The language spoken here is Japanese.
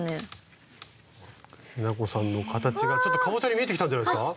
えなこさんの形がちょっとカボチャに見えてきたんじゃないんですか！